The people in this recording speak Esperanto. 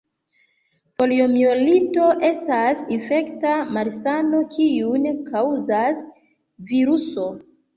Poliomjelito estas infekta malsano, kiun kaŭzas viruso.